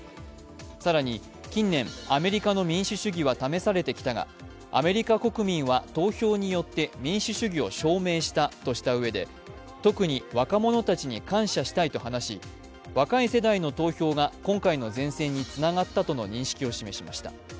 更に近年、アメリカの民主主義は試されてきたがアメリカ国民は投票によって民主主義を証明したとしたうえで特に若者たちに感謝したいと話し若い世代の投票が今回の善戦につながったとの認識を示しました。